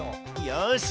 よし！